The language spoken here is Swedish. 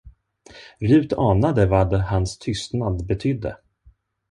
Rut anade vad hans tystnad betydde.